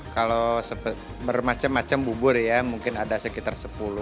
kalau bermacam macam bubur ya mungkin ada sekitar sepuluh